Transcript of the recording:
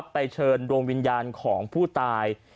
เชิญดวงวิญญาณของผู้ตาย